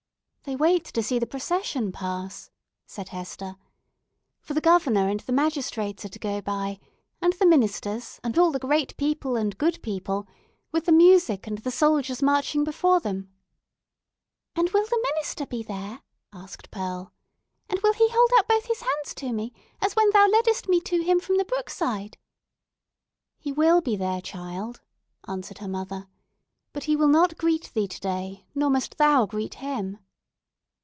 "They wait to see the procession pass," said Hester. "For the Governor and the magistrates are to go by, and the ministers, and all the great people and good people, with the music and the soldiers marching before them." "And will the minister be there?" asked Pearl. "And will he hold out both his hands to me, as when thou ledst me to him from the brook side?" "He will be there, child," answered her mother, "but he will not greet thee today, nor must thou greet him."